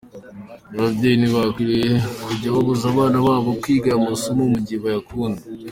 Ababyeyi na bo ntibakwiye kujya babuza abana babo kwiga aya masomo mu gihe bayakunda.